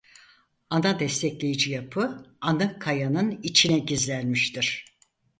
Ana destekleyici yapı ana kayanın içine gizlenmiştir.